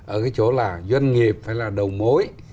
ở cái chỗ là doanh nghiệp phải là đầu mối